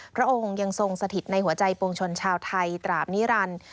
พระองค์ยังทรงสถิตในหัวใจปวงชนชาวไทยตราบนิรันดิ์